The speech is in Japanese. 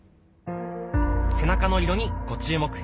背中の色にご注目。